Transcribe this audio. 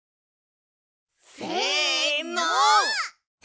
せの！